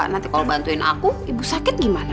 nanti kalau bantuin aku ibu sakit gimana